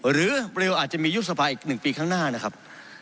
หรือเร็วอาจจะมียุบสภาอีก๑ปีข้างหน้านะครับ